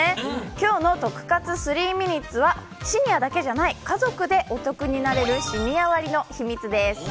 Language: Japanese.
今日のトク活３ｍｉｎｕｔｅｓはシニアだけじゃない家族でお得になれるシニア割の秘密です。